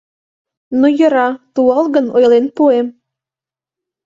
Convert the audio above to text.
— Ну, йӧра, туалгын ойлен пуэм...